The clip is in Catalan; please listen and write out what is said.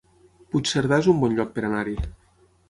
Puigcerdà es un bon lloc per anar-hi